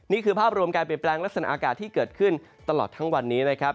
นี่คือภาพรวมการเปลี่ยนแปลงลักษณะอากาศที่เกิดขึ้นตลอดทั้งวันนี้นะครับ